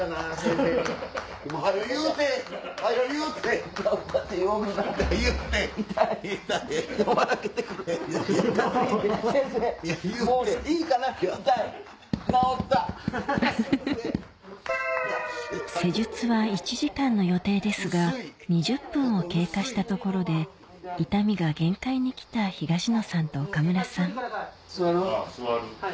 フフフフフ施術は１時間の予定ですが２０分を経過したところで痛みが限界に来た東野さんと岡村さん座る？